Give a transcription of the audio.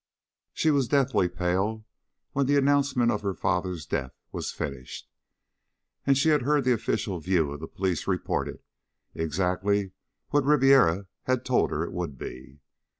She was deathly pale when the announcement of her father's death was finished, and she had heard the official view of the police reported exactly what Ribiera had told her it would be.